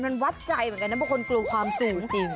มันวัดใจเหมือนกันนะบางคนกลัวความสูงจริง